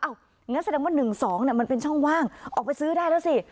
งั้นแสดงว่า๑๒มันเป็นช่องว่างออกไปซื้อได้แล้วสิ